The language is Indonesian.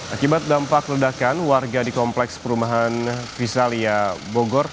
akibat dampak ledakan warga di kompleks perumahan visalia bogor